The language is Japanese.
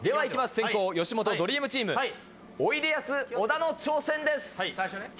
先攻吉本ドリームチームおいでやす小田の挑戦です。